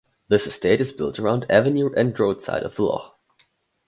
This estate is built around Avenue End Road side of the loch.